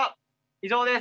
以上です。